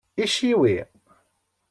Iciwi.